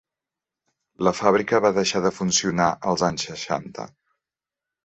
La fàbrica va deixar de funcionar als anys seixanta.